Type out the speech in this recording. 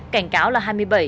cảnh cáo là hai mươi bảy